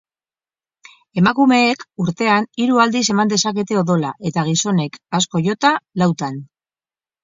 Emakumeek, urtean, hiru aldiz eman dezakete odola eta gizonek, askoz jota, lautan.